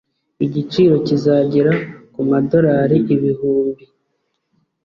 Igiciro kizagera kumadorari ibihumbi